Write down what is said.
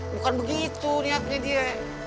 bukan begitu niatnya dia